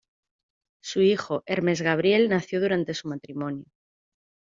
Su hijo Hermes Gabriel nació durante su matrimonio.